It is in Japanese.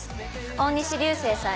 大西流星さん